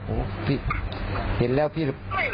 เฮ็หเล่าพี่